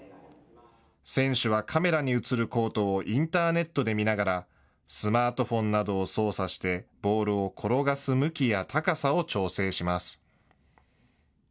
選手はカメラに映るコートをインターネットで見ながらスマートフォンなどを操作してボールを転がす向きや高さを調整します。